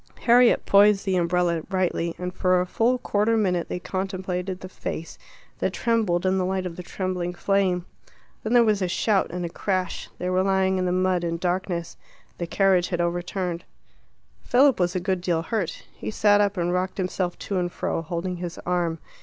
Harriet poised the umbrella rightly, and for a full quarter minute they contemplated the face that trembled in the light of the trembling flame. Then there was a shout and a crash. They were lying in the mud in darkness. The carriage had overturned. Philip was a good deal hurt. He sat up and rocked himself to and fro, holding his arm.